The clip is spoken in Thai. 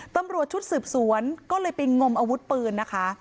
ตำรวจชุดสืบสวนก็เลยไปงมอาวุธปืนนะคะ